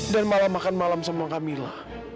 dan malah makan malam sama kamila